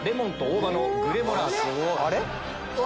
あれ⁉